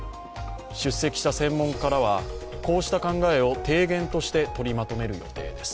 出席した専門家らはこうした考えを提言としてとりまとめる予定です。